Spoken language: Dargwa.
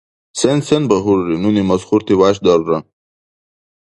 — Сен-сен багьурри? — нуни масхурти вяшдарра.